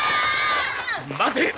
待て！